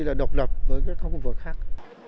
là độc lập với các khu vực khác